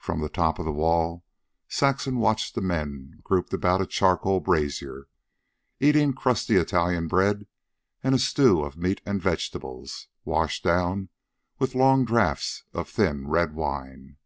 From the top of the wall Saxon watched the men grouped about the charcoal brazier, eating crusty Italian bread and a stew of meat and vegetables, washed down with long draughts of thin red wine.